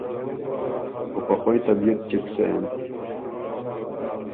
او په خوئ طبیعت چِګ سېم۔